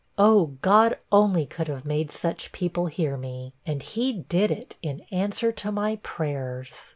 Oh, God only could have made such people hear me; and he did it in answer to my prayers.'